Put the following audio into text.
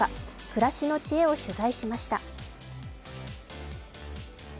暮らしの知恵を取材しました。